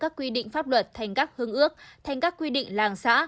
các quy định pháp luật thành các hương ước thành các quy định làng xã